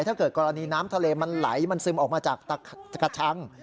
ถ้าเกิดกรณีน้ำทะเลมันไหลมันซึมออกมาจากกระชัง